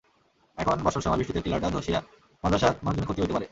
এখন বর্ষার সময় বৃষ্টিতে টিলাটা ধসিয়া মাদ্রাসার মানুষজনের ক্ষতি অইতে পারে।